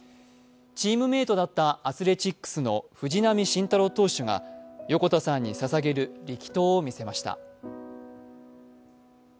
チームメイトだったアスレチックスの藤浪晋太郎投手が、横田さんに捧げる力投を見せました。